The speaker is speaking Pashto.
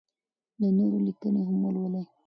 د نورو لیکنې هم ولولئ.